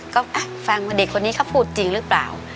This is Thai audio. ก็ฟังว่าเด็กคนนี้เขาพูดจริงหรือเปล่า